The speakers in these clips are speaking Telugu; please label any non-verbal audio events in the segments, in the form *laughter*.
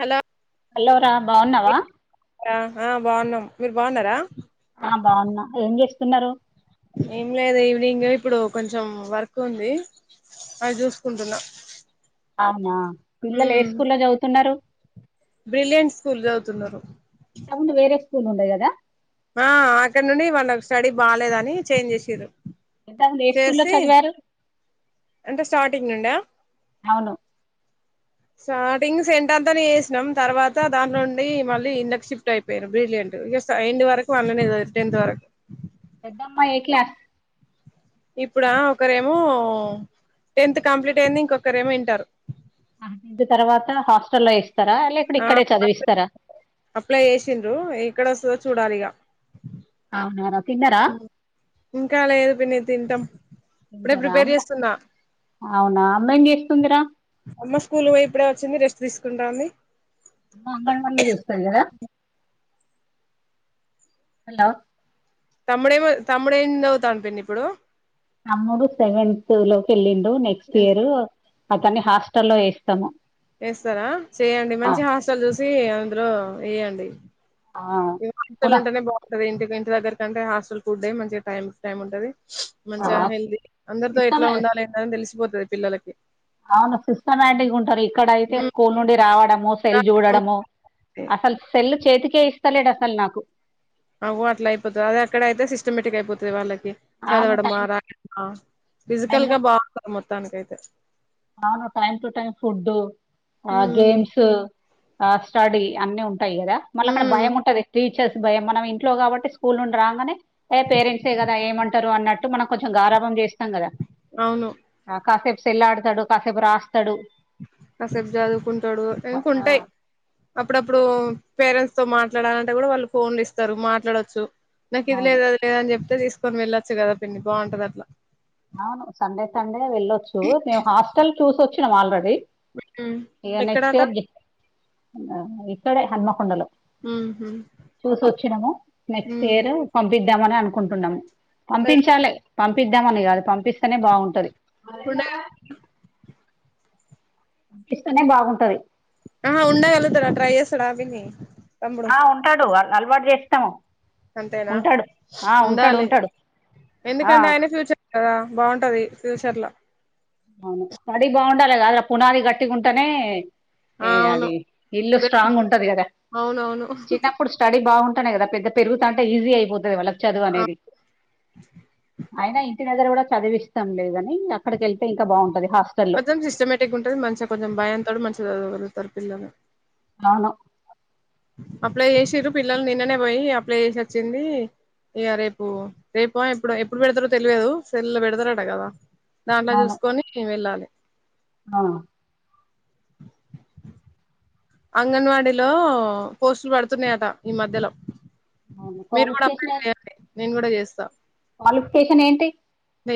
హలో హలోరా బావున్నావ అ హా బావున్నాం మీరు బన్నర అ బాన్న ఏం చేస్తున్నారు ఏం లేదు ఇంగ ఇప్పుడు కొంచెం వర్క్ ఉంది అది చూసుకుంటున్నా అవునా పిల్లలు ఏ మ్ స్కూల్లో చదువుతున్నారు బ్రిలియంట్ స్కూల్ చదువుతున్నారు ఇంతకుముందు వేరే స్కూల్ ఉండే కదా అ అక్కడ నుండి వాళ్ళ స్టడీ బాగాలేదని చేంజ్ చేసిర్రు ఇంతకు ముందు ఏ స్కూల్లో చేసి చదివారు అంటే స్టార్టింగ్ నుండ అవును *inaudible* స్టార్టింగ్ సెంట్ అంతానే చేసినాం తర్వాత దాంట్లోండి మళ్ళీ ఇండ్లీకి షిఫ్ట్ అయిపోయిను బ్రిలియంట్ ఇగ సైన్డ్ వరకు *unintelligible* దాంట్లోనే టెన్త్ వరకు పెద్ద అమ్మాయి ఏ క్లాస్ ఇప్పుడా ఒకరేమో టెన్త్ కంప్లీట్ అయింది ఇంకొకరేమో ఇంటర్ హ టెన్త్ తర్వాత హాస్టల్లో ఎస్ స్తారా లేకుంటే ఆ ఇక్కడే చదివిస్తారా అప్లై చేసిండ్రు ఎక్కడ వస్తదో చూడాలి ఇగ అవునారా తిన్నార ఇంకా లేదు పిన్ని తింటాం ఇప్పుడే తింటారా ప్రిపేర్ అమ్మ చేస్తున్నా అవునా అమ్మ ఏం చేస్తుందిరా అమ్మ స్కూల్ పోయి ఇప్పుడే వచ్చింది రెస్ట్ తీసుకుంటా ఉంది అమ్మ అంగన్వాడి లో చేస్తది కదా హలో తమ్ముడెమో తమ్ముడు ఏమి చదువుతాండు పిన్ని ఇప్పుడు తమ్ముడు సెవెన్త్ లోకి వెళ్ళిండు నెక్స్ట్ ఇయర్ అతన్ని హాస్టల్ లో వే వేస్తారా చేయండి ఆ మంచి హాస్టల్ చూసి అందులో వేయండి ఆ హాస్టల్ లోనే కూడా ఉంటేనే బాగుంటది ఇంటి ఇంటి దగ్గర కంటే హాస్టల్ ఫుడ్ మంచిగా టైమ్ టు టైమ్ ఉంటది మంచిగా హెల్దీ అందరితో ఎట్లా ఇస్తామే ఉండాలి అన్నది తెలిసిపోతుది పిల్లలకి అవును సిస్టమ్యాటిక్ ఉంటరి ఇక్కడైతే స్కూల్ నుండి రావడము సెల్ చూడడము అసలు సెల్ చేతికే యిస్తలేడు అసలు నాకు అగో అట్లా అయిపోతుంది అది ఎక్కడ అయితే సిస్టమేటిక్ అయిపోతుది వాళ్ళకి అవును చదవడమా టైం రాయడమా టైం ఫిజికల్ గా బాగుంటంది మొత్తానికయితే అవును టైమ్ టు టైమ్ ఫుడ్ ఆ ఉమ్ గేమ్స్ ఆ స్టడి అన్నీ ఉంటాయి కదా మళ్ళీ అక్కడ ఉమ్ భయం ఉంటది టీచర్స్ భయం మనం ఇంట్లో కాబట్టి స్కూల్ నుండి రాంగానే ఏ పేరెంట్సే కదా ఏమంటారు అన్నట్టు మనం కొంచెం గారభం చేస్త కదా అవును కాసేపు సెల్ ఆడుతాడు కాసేపు రాస్త కాసెపు చదువుకుంటాడు ఆ, ఇంకుంటాయి అప్పుడప్పుడు పేరెంట్స్ తో మాట్లాడంటే కూడా వాళ్ళు ఫోన్లు ఇస్తారు మాట్లాడొచ్చు నాకు ఇది అవును లేదది లేదని చెప్ప తీసుకొని వెళ్ళొచ్చు కదా పిన్ని బాగుంటది అట్లా అవును సండే సండే వెళ్ళొచ్చు మేము హాస్టల్ చూసి వచ్చినాం ఆల్రెడీ హు హమ్ ఇక నెక్స్ట్ ఎక్కడట ఇయర్ ఇక్కడే హనుమకొండలో ఉహు చూసోచ్చినము నెక్స్ట్ ఉమ్ ఇయర్ పంపిద్దామని అనుకుంటున్నాము ఉండగల పంపించాలి పంపిద్దామని కాదు పంపిస్త తేనే బాగుంటది ఉండగ పంపిస్తనే బాగుంటది ఆహా ఉండగలుగుతడా ట్రై చేస్తాడ పిన్ని తమ్ముడు ఆ ఉంటాడు అ అలవాటు చేస్తాము అంతేనా ఉంటాడు ఆ ఉంటాడు ఉండాలి ఉంటాడు ఆ ఎందుకంటే ఆయన ఫ్యూచర్ కదా బాగుంటది ఫ్యూచర్ లో అవును స్టడీ బాగుండాలి కదలా పునాది గట్టిగా ఉంటనే ఆ ఏ అవును అది ఇల్లు స్ట్రాంగ్ ఉంటది కదా అవునవును చిన్నప్పుడు స్టడీ బాగుంటు నే కదా పెద్ద పెరుగుతా అంటే ఈజీ అయిపోతుది వాల్లకు చదువు అనేది అయినా ఇంటి దగర కూడా చదివి ఇస్తాం లే గాని అక్కడికి వెళ్ వెళ్తే బాగుంటది మొత్తం సిస్టమేటిక్గా ఉంటది. మంచిగా కొంచెం భయంతో మంచిగా చదవ గలుగుతారు పిల్లలు. అవును అప్లై చేసిరు పిల్లలు నిన్ననే పోయి అప్లై చేసి వచ్చింది. ఇక రేపు రేపో ఎప్పుడో ఎప్పుడు పెడతారో తెలియదు కదా. సెల్ లో పెడతారట కదా దాంట్లో అవును చూసుకొని వెళ్ళాలి. ఆ అంగన్వాడీలో పోస్టులు పడుతున్నాయట ఈ మధ్యలో మీరు కూడా అప్లై క్వాలిఫికేషన్ చేయండి నేను కూడా చేస్తా క్వాలిఫికేషన్ ఏంటి?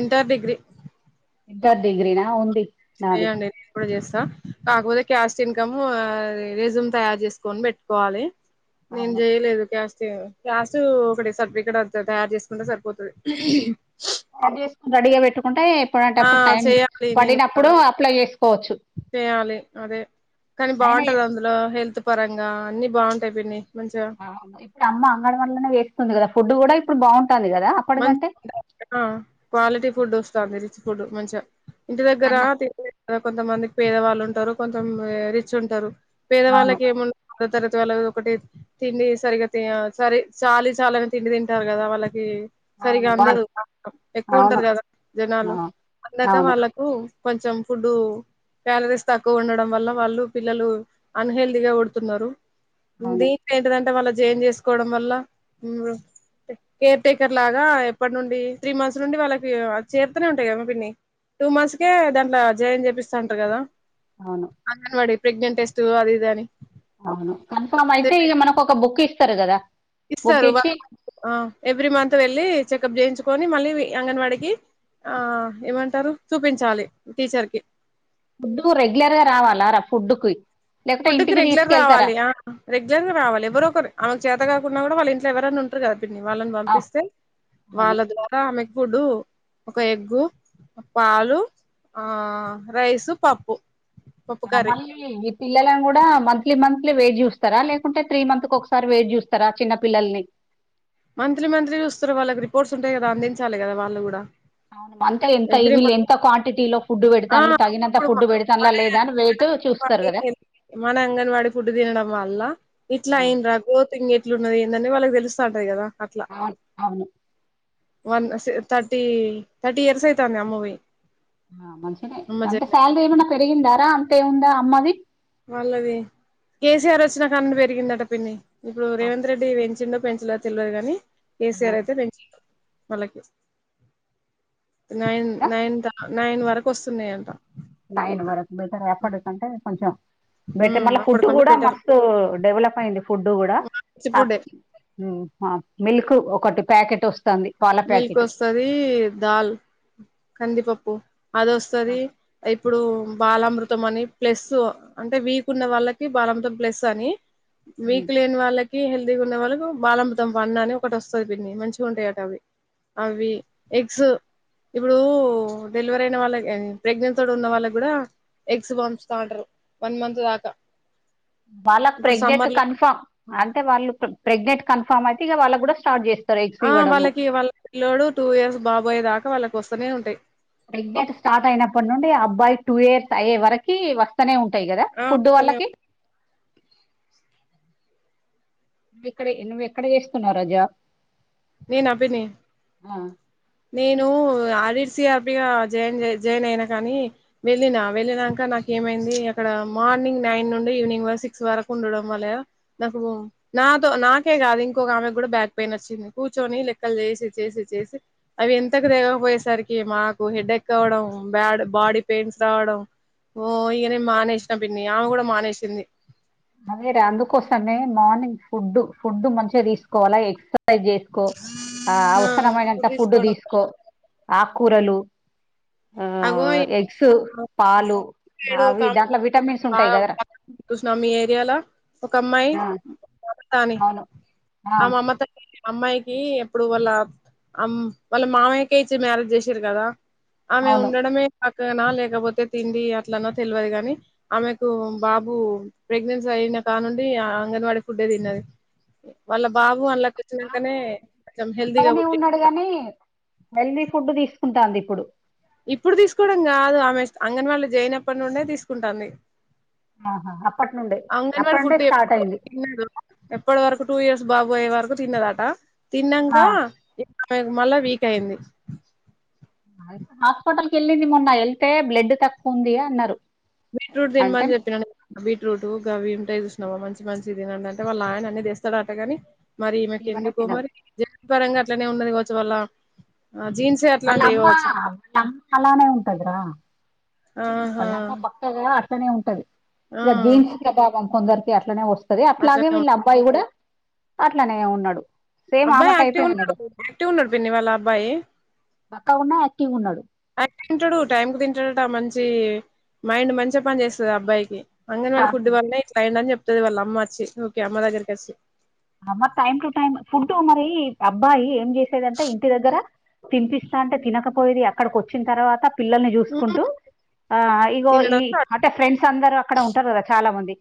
ఇంటర్, డిగ్రీ ఇంటర్, డిగ్రీనా ఉంది. నాది లేదండి ఇప్పుడే చేస్తా కాకపోతే క్యాస్ట్, ఇన్కమ్, రెస్యూమ్ తయారు చేసుకని పెట్టుకోవాలి. నేన్ అవును చేయలేదు క్యాస్ట్ క్యాస్ట్ ఒకటి సర్టిఫికెట్ అంతే తయారు చేసుకుంటే సరిపోతాది. సెట్ చేసుకొని రెడీ గా పెట్టు కుంటే ఆ ఎప్పుడంటప్పుడు టైం చేయాలి నేను కూడా పడినప్పుడు అప్లై చేసుకోవచ్చు. చేయాలి అదే కానీ అయినా బాగుంటాది ఏ- అందులో హెల్త్ పరంగా అన్నీ బాగుంటాయి పిన్నీ. ఇప్పుడు అమ్మ అంగన్వాడి లోనే చేస్తుంది కదా ఫుడ్ కూడా ఇప్పుడు బాగుంటుంది. కదా మంచి అప్పటికంటే క్వాలిటీ ఫుడ్ వస్తాంది. రిచ్ ఫుడ్ మంచిగా ఇంటి దగ్గర అన్న కొంతమంది పేదవాళ్ళు ఉంటారు కొంత మంది రిచ్ ఉంటారు. అవును పేదవాళ్ళకేము రెండో తరగతి వాళ్ళ ఒకటి, తిండి సరిగ్గా సరి చాలీ చాలని తిండి తింటారు కదా వాళ్ళకి సరిగా అవును అందదు. వాళ్ళు ఎక్కువ ఉంటారు. అవును కదా ఆ, జనాలు అందక అవును వాళ్ళకు కొంచెం ఫుడ్ కాలరీస్ తక్కువ ఉండడం వల్ల వాళ్ళు పిల్లలు అన్ హెల్తీ గా పుడుతున్నారు. అవును దీంట్లో ఏంటిదంటే వాళ్ళ చేంజ్ చేసుకోవడం వల్ల కేర్ టేక్ లాగా ఎప్పటి నుండి త్రీ మంత్స్ నుండి వాళ్ళకి చేతానే ఉంటాది కదామా పిన్నీ. టూ మంత్స్ కే దాంట్లో జాయిన్ చేపిస్తాంటారు కదా అవును అంగన్వాడి ప్రెగ్నెంట్ టెస్ట్ అది ఇది అని అవును. కన్ఫామ్ అయితే ఇక మనకు ఒక బుక్ ఇస్తారు కదా. బుక్ ఇస్తారు. వన్ ఇచ్చి మంత్ ఎవ్రీ మంత్ వెళ్ళి చెకప్ చేయించు కొని మళ్ళీ అంగన్వాడికి ఆ ఏమంటారు చూపించాలి టీచర్ కి. ఫుడ్ కి రెగ్యులర్ గా రావాల రా ఫుడ్ కి లేకుంటే ఫుడ్ కి ఇంటికి రెగ్యులర్ గా తీసుకెళ్తారా రావాలి రెగ్యులర్గా రావాలి ఎవరో ఒకరు ఆమెకు చేతగాక పోతే కూడా వాళ్ళింట్లో ఎవరైనా ఉంటారు కదా పిన్నీ వాళ్ళని ఆ, పంపిస్తే అవును వాళ్ళ ద్వారా ఆమె ఫుడ్, ఒక ఎగ్ పాలు, ఆ రైసు, పప్పు పప్పు ఆ కర్రీ మళ్లీ పిల్లలను కూడా మంత్లీ మంత్లీ వెయిట్ చూస్తారా? లేకుంటే త్రీ మంత్ కు ఒకసారి వెయిట్ చూస్తారా చిన్న పిల్లల్ని మంత్లీ మంత్లీ చూస్తారు వాళ్ళకి రిపోర్ట్స్ ఉంటాయి కదా. అందించాలి కదా వాళ్ళు కూడా అవును. అంత ఎంత ఎవ్రీ ఇవి మంత్ క్వాంటిటీలో ఫుడ్ ఆ పెడుతున్నారు కదా తగినంత ఇప్పుడు ఫుడ్ పెడుతున్నారా మన లేదా అని వెయిట్ చూస్తారు కదా మన అంగన్వాడీ ఫుడ్ తినడం వల్ల, ఇట్లా ఆ, అయ్యిండ్రా గ్రోతింగ్ ఎట్లా ఉంది ఇట్లు ఉన్నది ఏందని వాళ్ళకి తెలుస్త ఉంటయ్ కదా అట్లా అవున్ అవును వన్ థర్టీ థర్టీ ఇయర్స్ అయితాంది అమ్మవి ఆ మంచిదే అంటే శాలరీ ఏమన్నా పెరిగిందారా అంతే ఏముందా అమ్మది వాళ్ళది కేసీఆర్ వచ్చినక పెరిగిందట పిన్ని ఇప్పుడు రేవంత్ రెడ్డి పెంచిడో పెంచిల్లో తెల్వదు గానీ కేసీఆర్ అయితే పెంచిడు వాళ్ళకి నైన్ నైన్త్ నైన్ వరకు వస్తున్నాయ అంట నైన్ వరకు బెటరే అప్పటికంటే కొంచెం బెట్టే ఉమ్ మళ్ళ ఫుడ్ అప్పటికంటే కూడా బెటర్ మస్తు డెవలప్ అయింది ఫుడ్ కూడా మంచి అప్ ఫుడ్డే మ్ మిల్క్ ఒకటి ప్యాకెట్ వస్తాంది మిల్క్ వస్తది దాల్ కందిపప్పు అది వస్తది అయ్ ఇప్పుడు బాలామృతం అని ప్లస్ అంటే వీక్ ఉన్న వాళ్ళకి బాలామృతం ప్లస్ అని వీక్ లేని వాళ్ల కి హెల్తీగా ఉన్న వాళ్ళకి బాలఅమృతం వన్ అని ఒకటి వస్తది పిన్ని మంచిగ ఉంటాయట అవి అవి ఎగ్సు ఇప్పుడు డెలివర్ అయిన వాళ్ళకి ప్రెగ్నెన్సీతోట్ ఉన్న వాళ్ళకి గూడా ఎగ్స్ పంచుతాంట్రు వన్ మంత్ దాక వాళ్ళక్ ప్రెగ్నెంట్ కన్ఫర్మ్ అంటే వాళ్ళు ప్రెగ్నెంట్ కన్ఫర్మ్ ఫామ్ అయితే ఇగ వాళ్ళ కూడా స్టార్ట్ జేస్ ఆ వాళ్ళకి వాళ్ళ పిల్లోడు టూ ఇయర్స్ బాబోయే దాకా వాళ్ళకి వస్తూనే ఉంటాయి ప్రెగ్నెంట్ స్టార్ట్ అయినప్పటి నుండి అబ్బాయి టూ ఇయర్స్ అయ్యే వరకి వస్తనే ఉంటాయి కదా ఆ ఫుడ్ వస్తూనే వాళ్ళకి నువ్వు ఇక్కడే నువ్వు ఎక్కడ చేస్తున్నావు జాబ్ నేను అభిని నేను ఆరిసిఆర్ బిగ జాయిన్ జాయినయినా కానీ వెళ్ళిన వెళ్ళినాక నాకి ఏమైంది అక్కడ మార్నింగ్ నైన్ నుండి ఈవినింగ్ వర సిక్స్ వరకు ఉండడం వలా నాకు నా నాతో నాకే కాదు ఇంకోక ఆమె కూడా బ్యాక్ పెయిన్ వచ్చింది కూర్చొని లెక్కలు చేసి చేసి చేసి అవి ఎంతకు తెగకపోయేసరికి మాకు హెడ్ ఎక్ అవ్వడం బ్యాడ్ బాడీ పెయిన్స్ రావడం ఓ ఇగనే మానేసినా పిన్ని ఆమె కూడా మానేసింది అదేర అందుకోసమే మార్నింగ్ ఫుడ్ ఫుడ్ మంచిగా తీసుకోవాలా ఎగ్ ఎక్ససైజ్ జేసుకో ఆ అవసరమైనంత ఫుడ్ దీసుకో ఆక్కూరలు *inaudible* అగో ఈడ అవి ఒకమెకి దాంట్లో విటమిన్స్ ఉంటాయి కదరా *inaudible* చూసిన మీ ఏరియాల ఒక అమ్మాయి ఆ మమత అని అవును ఆ మమత అమ్మాయికి ఎప్పుడు వాళ్ళ అమ్ వాళ్ళ మావయ్యకే ఇచ్చి మ్యారేజ్ జేసిరు కదా ఆమె అవును ఉండడమే ఇక్కడేన లేకపోతే తిండి అట్లన తెల్వదు గాని ఆమెకు బాబు ప్రెగ్నెన్సీ అయిన కానుండి అంగన్వాడి ఫుడే తిన్నది వాళ్ళ బాబు అళ్ల ఇచ్చినంకనే కొంచెం హెల్తీగా పక్కగానే ఉన్నాడు పుట్టిండంట గాని హెల్దీ ఫుడ్ తీసుకుంటాంది ఇప్పుడు ఇప్పుడు తీసుకోడం కాదు ఆమె అంగన్ వాళ్ళో జయినప్పట్నండే తీసుకుంటాంది ఆహా అప్పటి నుండే అంగన్వాడి అప్పటి నుండే ఫుడ్ స్టార్ట్ ఎప్పుడు అయింది తినలేదు ఎప్పటి వరకు టూ ఇయర్స్ బాబు బోయ్యే వరకు తిన్నదట తిన్నాక ఆ ఆమెకు మళ్ళా వీక్ అయింది హాస్పిటల్ కెళ్ళింది మొన్న వెళ్తే బ్లడ్ తక్కువ ఉంది అన్నారు బీట్రూట్ అంటే తినమని చెప్పినాను బీట్రూట్ గవి ఉ మంచి మంచిది అంటే వాళ్ళు ఆయన అన్ని తేస్తాడటగాని మరి ఈమెకు ఈమెనే ఎందుకో తినదు మరి పరంగా అట్లనే ఉన్నది కావచ్చు వల్ల ఆలా అమ్మ అమ్మ అలానే ఉంటద్ర ఆహా వాళ్ళ అమ్మ బక్కగా అట్లనే ఉంటది ఆ ఇక జీన్స్ ప్రభావం కొందరికి అట్లనే వస్తది అట్లాగే అట్లనే ఉ వీళ్ళ అబ్బాయి కూడా అట్లానే ఉన్నాడు సేమ్ ఆమె అబ్బాయి టైపే యాక్టివ్ ఉన్నాడు యాక్టివ్ ఉన్నాడు పిన్ని వాళ్ళ అబ్బాయి బక్కగా ఉన్నా యాక్టివ్ ఉన్నాడు అట్టి ఉంటాడు టైం కు తింటాడట మంచి మైండ్ మంచిగా పని చేస్తుంది అబ్బాయికి అంగన్వాడీ ఫుడ్ వాళ్ల్నే ఇట్లయిండు అని చెప్తుది వాళ్ళ అమ్మ వచ్చి కే అమ్మ దగ్గరికి వచ్చి అమ్మ టైమ్ టు టైమ్ ఫుడ్ మరి అబ్బాయి ఏం చేసేదింటే ఇంటి దగ్గర తినిపిస్తా అంటే తినకపోయేది అక్కడికి వచ్చిన తర్వాత పిల్లల్ని హ్మ్ చూసుకుంటూ ఆ ఇగో ఈ తినడం స్టార్ట్ అంటే ఫ్రెండ్స్ అందరూ అక్కడ ఉంటారు కదా చాలా మంది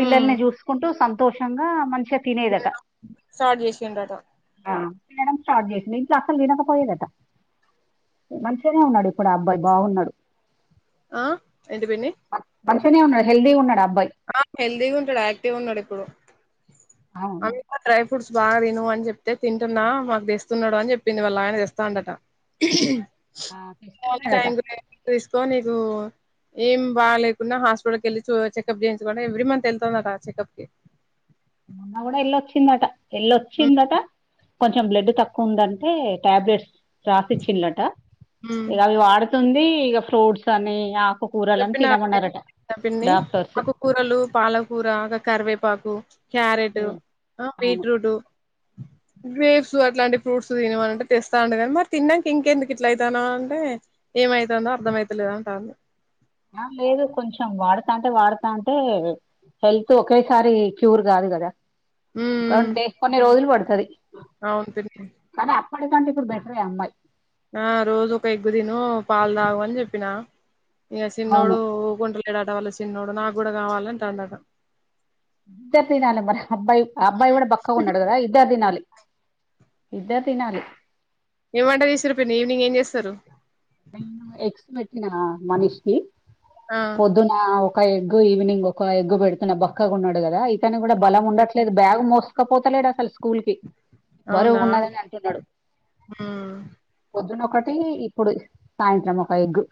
హ్మ్ చూసుకుంటూ సంతోషంగా మంచి స్టార్ట్ చేశిడ్లు అట తినడం స్టార్ట్ చేసింది ఇంట్లో అసలు తినకపోయేదాట మంచిగానే ఉన్నాడు ఇప్పుడు అబ్బాయి బాగున్నాడు ఆ ఏంటి పిన్ని మంచిగానే ఉన్నాడు హెల్దీగా ఉన్నాడు అబ్బాయి ఆ హెల్దీగా ఉంటాడు యాక్టివ్ గా ఉన్నాడు ఇప్పుడు అవును ఫుడ్స్ బాగా తిను అని చెప్తే తింటున్నా మాకు తెస్తున్నాడు అని చెప్పింది వాళ్ళ ఆయన తెస్తాండట హు ఆ తెస్తున్నాడట తీసుకో నీకు ఏం బాగా లేకున్నా హాస్పిటల్ కి వెళ్ళి చు చెకప్ చేయించుకుంట ఎవ్రీ మంత్ వెళ్తుందట చెకప్ కి మొన్న కూడా ఎల్ళొచ్చిందట హ్మ్ ఎల్ళొచ్చిందట కొంచెం బ్లడ్ తక్కువ ఉందంటే టాబ్లెట్స్ రాసిచ్చిల్లు అట హ్మ్ ఇక అవి వాడు ది ఇక ఫ్రూట్స్ అని ఆకుకూరలని చెప్పినా తినమన్నారట చెప్పింది ఆ పిన్ని డాక్టర్స్ ఆకుకూరలు పాలకూర గా కరివేపాకు క్యారెట్ బీట్ అవును రూట్ గ్రేప్స్ అట్లాంటి ఫ్రూట్స్ తినమని అంటే తెస్తాండు కానీ మరి తిన్నాక ఇంకెందుకు ఇట్లా అయితానావు అంటే ఏమైతుందో అర్థమవుతలేదు అంటాల్లు ఆ లేదు కొంచెం వాడతా అంటే వాడతా అంటే హెల్త్ ఒకేసారి క్యూర్ కాదు కదా ఉమ్ అంతే కొన్ని రోజులు పడుతది అవును కానీ అప్పటికంటే ఇప్పుడు బెటరే అమ్మాయి ఆ రోజు ఒక ఎగ్గు తిను పాలు తాగు అని చెప్పిన ఇక అవును చిన్నోడు ఉకొంటలేడుట వాళ్ళ చిన్నోడు నాకు కూడా కావాలలే అంటుండట ఇద్దరు తినాలి మరి అబ్బాయి అబ్బాయి కూడా బక్కాగా ఉన్నాడు కదా ఇద్దరు తినాలి ఇద్దరు తినాలి ఏం వంట చేసిర్రు పిన్ని ఈవినింగ్ ఏం చేస్తారు నేన ఎగ్సు బెట్టినా మనిషికి ఆ పొద్దున ఒక ఎగ్గు ఈవినింగొక ఎగ్గు బెడతన బక్కగున్నాడు గదా ఇతను గుడ బలముండట్లేదు బ్యాగు మోస్ కపోతలేడు అసల్ స్కూల్ కి అవునా బరువుగున్నొదని అంటున్నాడు ఉమ్ పొద్దున్న టీ ఇప్పుడు సాయంత్రం ఒక ఎగ్గు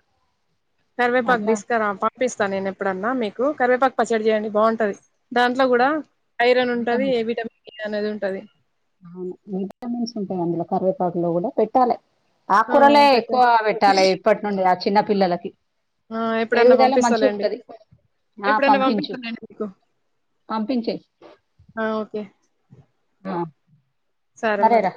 కరివేపాక్ దీస్కురా పంపిస్తా నేనెప్పుడన్నా మీకు కరివేపాకు పచ్చడి జేయండి బావుంటది దాంట్లో గూడా ఐరన్ ఉంటది విటమిన్స్ ఏ విటమిన్ ఏ అనేది ఉంటది అవును విటమిన్సుంటాయ్ అందులో కరివేపాకు లో గూడా పెట్టాలి ఆ ఆక్కూరలే పెట్ట ఎక్కువ పెట్టాలి ఇప్పట్టుండి ఆ చిన్న పిల్లలకి ఆ ఎప్పుడన్నా ఎదుగుదల పంపిస్తాలేండి మంచిగుంటది ఆ ఎప్పుడన్నా పంపించు పంపిస్తాలేండి మీకు పంపించేయ్ ఆ సరె మరి సరేరా